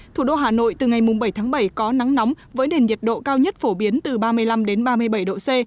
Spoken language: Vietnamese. thủ đô hà nội từ ngày bảy tháng bảy có nắng nóng với nền nhiệt độ cao nhất phổ biến từ ba mươi năm ba mươi bảy độ c